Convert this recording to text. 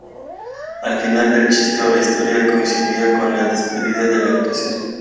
El final del chiste o la historia coincidía con la despedida de la actuación.